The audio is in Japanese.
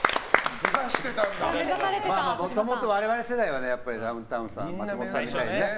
もともと我々世代はやっぱりダウンタウンさん松本さんにね。